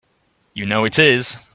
You know it is!